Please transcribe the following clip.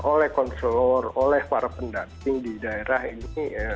oleh konselor oleh para pendamping di daerah ini